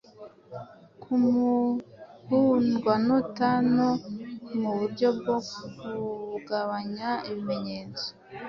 kuri muhundwanota no mu buryo bwo kugabanya ibimenyetso